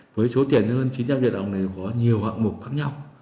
với số tiền hơn chín trăm linh triệu đồng này có nhiều hạng mục khác nhau